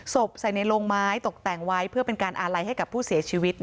ใส่ในโรงไม้ตกแต่งไว้เพื่อเป็นการอาลัยให้กับผู้เสียชีวิต